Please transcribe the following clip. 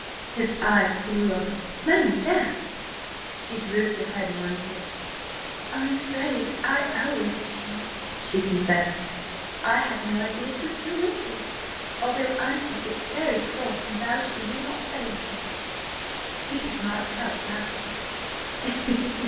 His eyes flew open. "Mademoiselle!—" She drooped her head mournfully. "I'm afraid I always cheat," she confessed. "I had no idea 'twas so wicked, although Auntie gets very cross and vows she will not play with me." He could not help laughing.